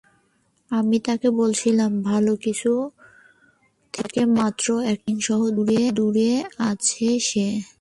আমি তাকে বলেছিলাম, ভালো কিছু থেকে মাত্র একটা ইনিংসই দূরে আছে সে।